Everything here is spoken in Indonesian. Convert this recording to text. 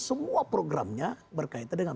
semua programnya berkaitan dengan